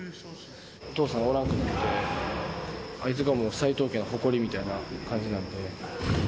お父さんがおらんくなって、あいつが斉藤家の誇りみたいな感じになって。